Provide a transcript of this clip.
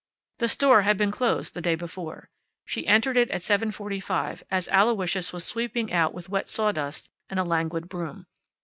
The store had been closed the day before. She entered it at seven forty five, as Aloysius was sweeping out with wet sawdust and a languid broom.